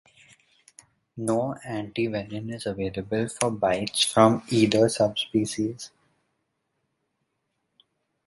No antivenin is available for bites from either subspecies.